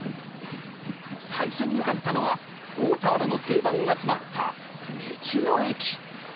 最初に向かったのは大田原の定番が詰まった道の駅。